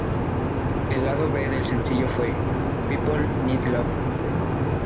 El lado B del sencillo fue People Need Love.